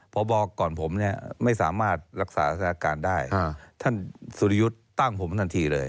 พบตลก่อนผมไม่สามารถรักษาตาศการได้ท่านสุริยุทธ์ตั้งผมทันที่เลย